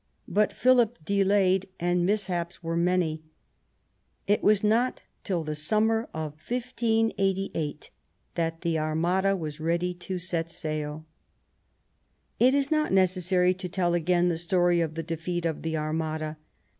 But Philip delayed, and mishaps were many. It was not till the summer of 1588 that the Armada Was ready to set sail. THE CRISIS. 2^3 It is not necessary to tell again the story of the defeat of the Armada.